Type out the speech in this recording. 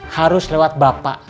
harus lewat bapak